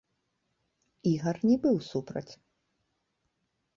Ігар не быў супраць.